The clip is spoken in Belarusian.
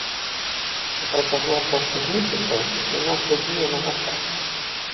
На працягу апошніх месяцаў яна худнее на вачах.